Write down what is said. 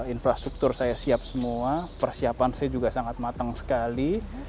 infrastruktur saya siap semua persiapan saya juga sangat matang sekali